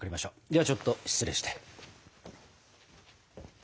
ではちょっと失礼して。